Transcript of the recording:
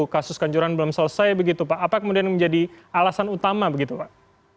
kasus kanjuran belum selesai begitu pak apa kemudian menjadi alasan utama begitu pak